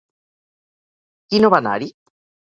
Qui no va anar-hi?